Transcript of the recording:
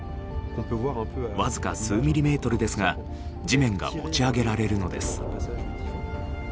僅か数ミリメートルですが地面が持ち上げられるのです。